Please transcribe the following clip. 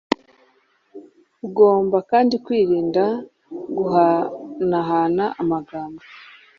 Ugomba kandi kwirinda guhanahana amagambo